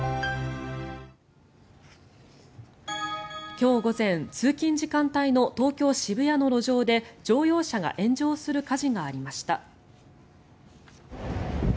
今日午前通勤時間帯の東京・渋谷の路上で乗用車が炎上する火事がありました。